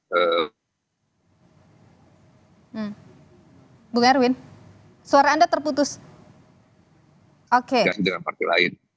bu erwin suara anda terputus